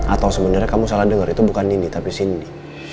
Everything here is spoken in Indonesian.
atau sebenarnya kamu salah dengar itu bukan nindi tapi cindy